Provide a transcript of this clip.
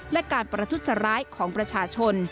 และการประทุษร้ายของประชาชน